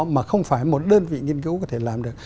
mà không phải một đơn vị nghiên cứu có thể làm được